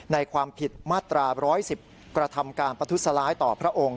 ในความผิดมาตรา๑๑๐กระทำการประทุษร้ายต่อพระองค์